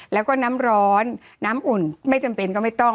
แล้วก็น้ำร้อนน้ำอุ่นไม่จำเป็นก็ไม่ต้อง